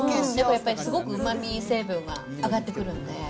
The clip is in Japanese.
やっぱりすごくうまみ成分が上がってくるんで。